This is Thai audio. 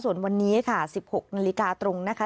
ส่วนวันนี้ค่ะ๑๖นาฬิกาตรงนะคะ